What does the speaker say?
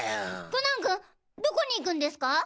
コナン君どこに行くんですか？